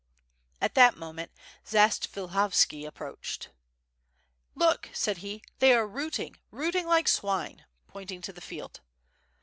At that moment Zatsvilikhovski approached. "Look!" said he, "they are rooting, rooting, like swine," pointing to the field.